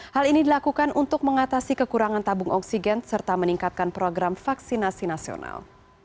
hal ini dilakukan untuk mengatasi kekurangan tabung oksigen serta meningkatkan program vaksinasi nasional